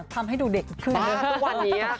ทำให้ดูเด็กขึ้น